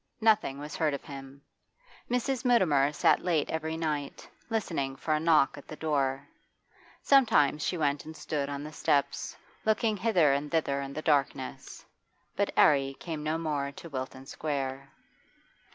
Nothing was heard of him. Mrs. Mutimer sat late every night, listening for a knock at the door. Sometimes she went and stood on the steps, looking hither and thither in the darkness. But 'Arry came no more to Wilton Square.